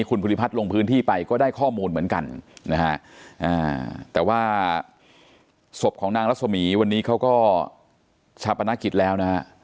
คุณภูริพัฒน์ลงพื้นที่ไปก็ได้ข้อมูลเหมือนกันนะฮะแต่ว่าศพของนางรัศมีวันนี้เขาก็ชาปนกิจแล้วนะฮะ